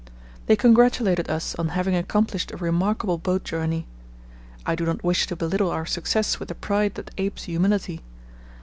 They congratulated us on having accomplished a remarkable boat journey. I do not wish to belittle our success with the pride that apes humility.